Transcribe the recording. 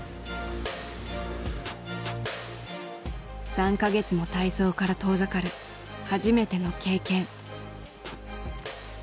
３か月も体操から遠ざかる初めての経験。